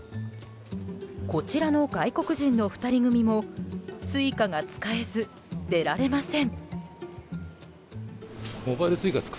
こちらの外国人の２人組もＳｕｉｃａが使えず出られません。